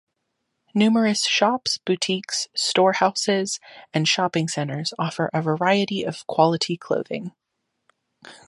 Numerous shops, boutiques, store houses and shopping centres offer a variety of quality clothing.